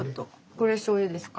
これしょうゆですか？